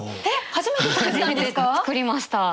初めて作りました。